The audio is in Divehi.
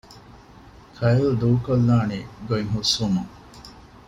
ކައިލް ދޫކޮށްލާނީ ގޮތް ހުސްވުމުން